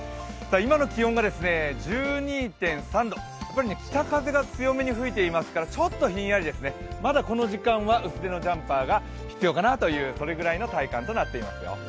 今の気温が１２．３度、北風が強めに吹いていますからちょっとひんやりですねまだこの時間は薄手のジャンパーが必要かなとそれぐらいの体感となっていますよ。